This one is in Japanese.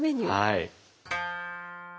はい。